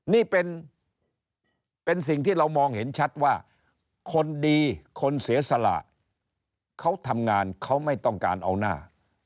นี่เป็นสิ่งที่เรามองเห็นชัดว่าคนดีคนเสียสละเขาทำงานเขาไม่ต้องการเอาหน้า